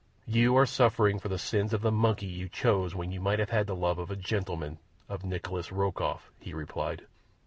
"You are suffering for the sins of the monkey you chose when you might have had the love of a gentleman—of Nikolas Rokoff," he replied.